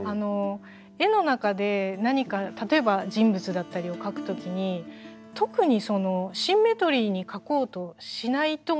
絵の中で何か例えば人物だったりを描く時に特にシンメトリーに描こうとしないと思うんですよ。